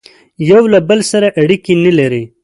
یوه له بل سره اړیکي نه لري